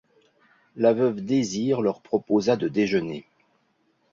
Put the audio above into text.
La veuve Désir leur proposa de déjeuner.